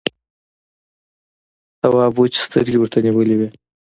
تواب وچې سترګې ورته نيولې وې.